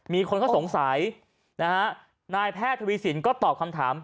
มีคนเขาสงสัยนะฮะนายแพทย์ทวีสินก็ตอบคำถาม